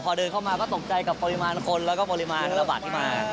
พอเดินเข้ามาก็ตกใจกับปริมาณคนแล้วก็ปริมาณธนบัตรที่มา